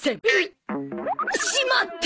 しまった！